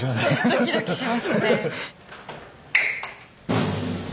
ドキドキしますね。